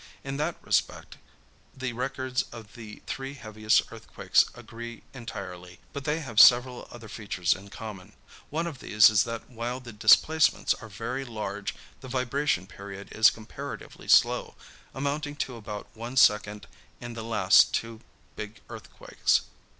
In that respect the records of the three heaviest earthquakes agree entirely. But they have several other features in common. One of these is that while the displacements are very large the vibration period is comparatively slow, amounting to about one second in the last two big earthquakes."